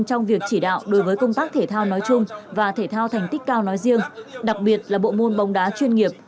trong việc chỉ đạo đối với công tác thể thao nói chung và thể thao thành tích cao nói riêng đặc biệt là bộ môn bóng đá chuyên nghiệp